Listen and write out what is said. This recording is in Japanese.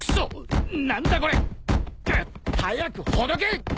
何だこれ！？早くほどけ！